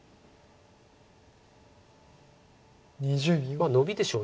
まあノビでしょう。